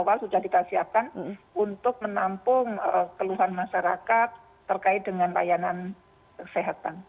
awal sudah kita siapkan untuk menampung keluhan masyarakat terkait dengan layanan kesehatan